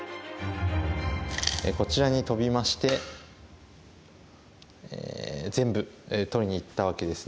こちらにトビまして全部取りにいったわけですね。